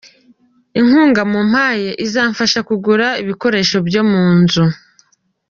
Inkunga mumpaye izamfasha kugura ibikoresho byo mu nzu.